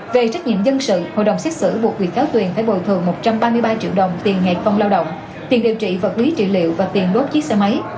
về trách nhiệm dân sự hội đồng xét xử buộc bị cáo tuyền phải bồi thường một trăm ba mươi ba triệu đồng tiền ngày công lao động tiền điều trị vật quý trị liệu và tiền đốt chiếc xe máy